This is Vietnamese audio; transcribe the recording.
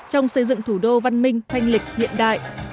trong xây dựng thủ đô văn minh thanh lịch hiện đại